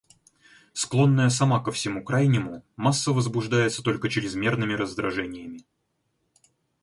Склонная сама ко всему крайнему, масса возбуждается только чрезмерными раздражениями.